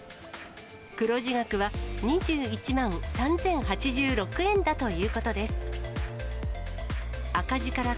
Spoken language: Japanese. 黒字額は２１万３０８６円だということです。